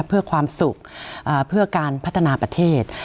เพื่อความสุขเพื่อการพัฒนาประเทศ